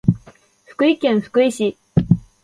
福井県福井市